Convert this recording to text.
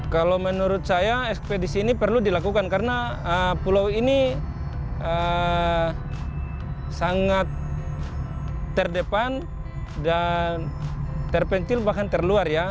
kalau menurut saya ekspedisi ini perlu dilakukan karena pulau ini sangat terdepan dan terpencil bahkan terluar ya